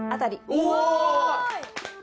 お！